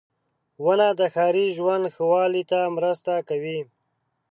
• ونه د ښاري ژوند ښه والي ته مرسته کوي.